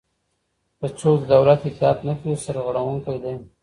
که څوک د دولت اطاعت نه کوي سرغړونکی دی.